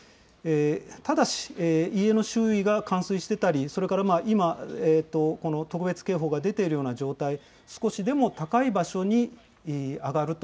ただし、家の周囲が冠水してたり、それから今、この特別警報が出てるような状態、少しでも高い場所に上がると。